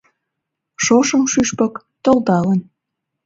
Шошым шӱшпык, толдалын